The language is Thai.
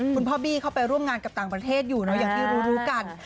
คุณพ่อบี้เข้าไปร่วมงานกับต่างประเทศอยู่เนอะอย่างที่รู้กัน